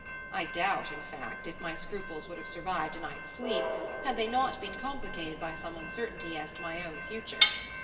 I doubt, in fact, if my scruples would have survived a night's sleep, had they not been complicated by some uncertainty as to my own future.